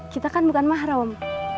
kita kan bukan mahrum